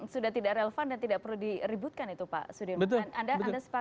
sudah tidak relevan dan tidak perlu diributkan itu pak sudirman